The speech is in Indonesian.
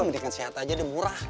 mendingan sehat aja udah murah